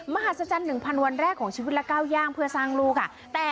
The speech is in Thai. มหัศจรรย์๑๐๐วันแรกของชีวิตและก้าวย่างเพื่อสร้างลูกค่ะ